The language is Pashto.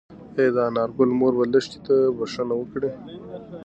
ايا د انارګل مور به لښتې ته بښنه وکړي؟